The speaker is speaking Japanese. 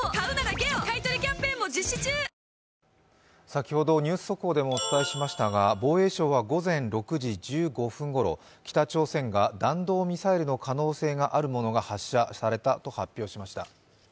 先ほど、ニュース速報でもお伝えしましたが防衛省は午前６時１５分ごろ北朝鮮から弾道ミサイルの可能性があるものが発射されたと発表しました。